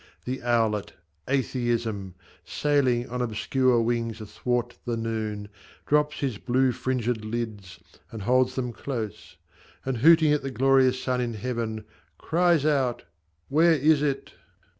the owlet Atheism, Sailing on obscene wings athwart the noon, Drops his blue fringéd lids, and holds them close, And hooting at the glorious sun in Heaven, Cries out, `Where is it